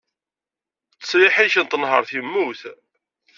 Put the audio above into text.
Ttesriḥ-nnek n tenhaṛt yemmut.